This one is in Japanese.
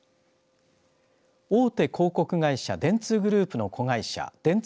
大手広告会社電通グループの子会社電通